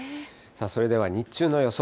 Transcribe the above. それでは日中の予想